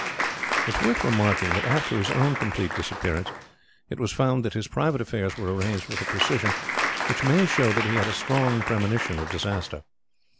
It is worth remarking that after his own complete disappearance it was found that his private affairs were arranged with a precision which may show that he had a strong premonition of disaster.